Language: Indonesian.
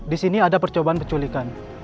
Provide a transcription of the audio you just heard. disini ada percobaan penjelikan